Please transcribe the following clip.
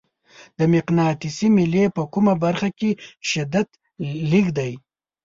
د مقناطیسي میلې په کومه برخه کې شدت لږ دی؟